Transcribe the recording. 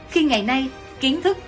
khi ngày nay kiến thức